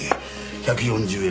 １４０円